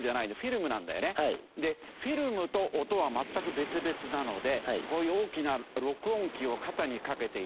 フィルムと音は全く別々なのでこういう大きな録音機を肩に掛けていって。